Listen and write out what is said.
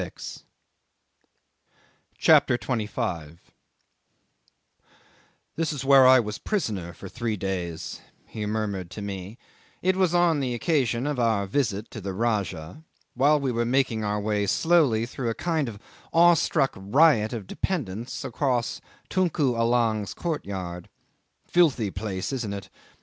CHAPTER 25 '"This is where I was prisoner for three days," he murmured to me (it was on the occasion of our visit to the Rajah), while we were making our way slowly through a kind of awestruck riot of dependants across Tunku Allang's courtyard. "Filthy place, isn't it?